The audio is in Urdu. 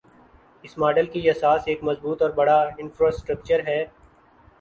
اس ماڈل کی اساس ایک مضبوط اور بڑا انفراسٹرکچر ہے۔